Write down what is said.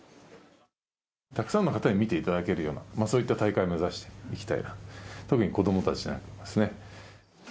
たくさんの方に見ていただけるような、そういった大会を目指していきたいなと、特に子どもたちですね。